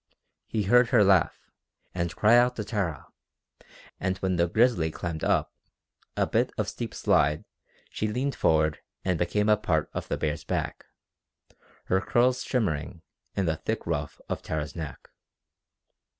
He heard her laugh, and cry out to Tara, and when the grizzly climbed up a bit of steep slide she leaned forward and became a part of the bear's back, her curls shimmering in the thick ruff of Tara's neck.